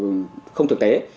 và không thực tế